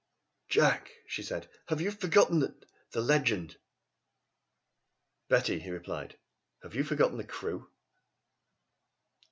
"Jack," she said, "have you forgotten the the legend?" "Betty," he replied, "have you forgotten the crew?"